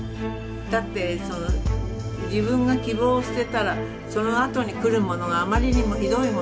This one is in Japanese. だって自分が希望を捨てたらそのあとに来るものがあまりにもひどいもの